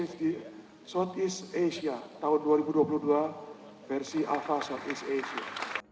dan yang ketiga award yang diperoleh oleh bursa efek indonesia terkait dengan marki award sebagai best stock exchange